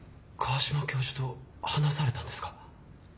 川島教授と話されたんですか？